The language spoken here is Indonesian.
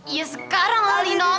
iya sekarang lah linol